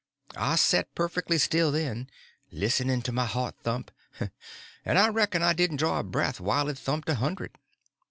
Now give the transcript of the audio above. I set perfectly still then, listening to my heart thump, and I reckon I didn't draw a breath while it thumped a hundred.